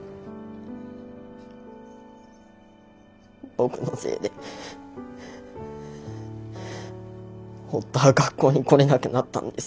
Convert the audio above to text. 僕のせいで堀田は学校に来れなくなったんです。